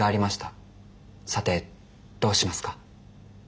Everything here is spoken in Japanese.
さてどうしますか？